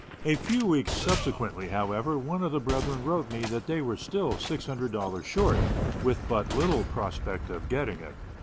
A few weeks subsequently, however, one of the "brethren" wrote me that they were still six hundred dollars short, with but little prospect of getting it.